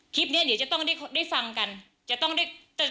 คลิปเนี่ยเดี๋ยวจะต้องได้ฟังกันจะต้องทยอยเปิดค่ะ